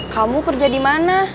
kamu kerja di mana